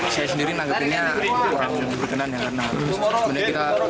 saya sendiri nanggapinnya kurang berkenan ya karena sebenarnya kita